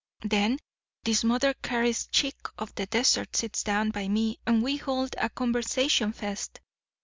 "Then this Mother Cary's chick of the desert sits down by me and we hold a conversationfest.